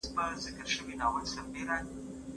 مکناټن یو هوښیار سیاستوال و.